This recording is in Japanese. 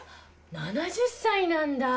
７０歳なんだ！